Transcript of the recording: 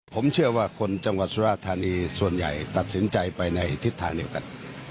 ผมเชื่อว่าคนจังหวัดสุราธานีส่วนใหญ่ตัดสินใจไปในทิศทางเดียวกัน